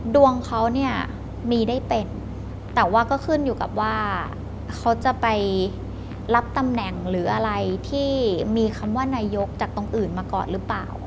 ดวงเขาเนี่ยมีได้เป็นแต่ว่าก็ขึ้นอยู่กับว่าเขาจะไปรับตำแหน่งหรืออะไรที่มีคำว่านายกจากตรงอื่นมาก่อนหรือเปล่า